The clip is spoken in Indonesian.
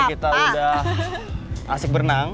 kita udah asik berenang